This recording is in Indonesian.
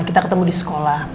kita ketemu di sekolah